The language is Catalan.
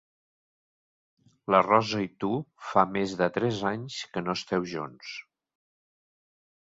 La Rosa i tu fa més de tres anys que no esteu junts.